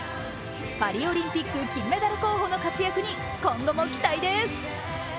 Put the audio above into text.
パリオリンピック金メダル候補の活躍に今後も期待です。